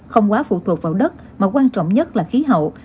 không quá phụ thuộc vào đất mà quan trọng nhất là khí hậu